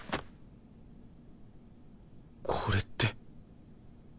これって。